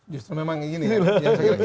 justru memang ini yang saya kira